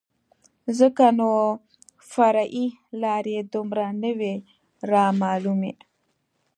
ځکه نو فرعي لارې دومره نه وې رامعلومې.